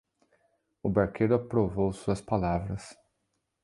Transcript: O barqueiro aprovou suas palavras.